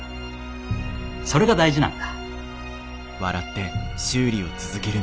それが大事なんだ。